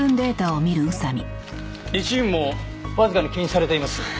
リチウムもわずかに検出されています。